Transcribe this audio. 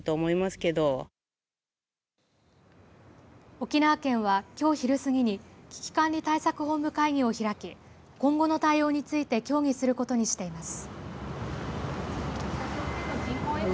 沖縄県はきょう昼過ぎに危機管理対策本部会議を開き今後の対応について協議することにしています。